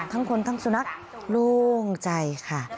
ทั้งคนทั้งสุนัขโล่งใจค่ะ